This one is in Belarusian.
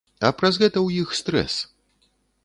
А праз гэта ў іх стрэс.